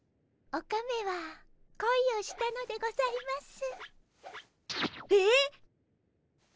オカメはこいをしたのでございます。